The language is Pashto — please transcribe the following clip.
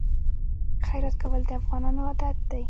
خیرات کول د افغانانو عادت دی.